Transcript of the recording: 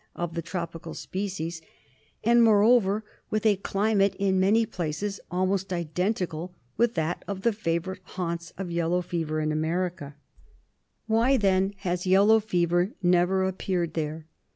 of the tropical species), and moreover with a climate in many places almost identical with that of the favourite haunts of yellow fever in America ? Why then has yellow fever never appeared there